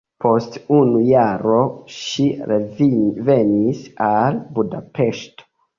Post unu jaro ŝi revenis al Budapeŝto.